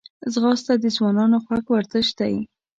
ځغاسته د ځوانانو خوښ ورزش دی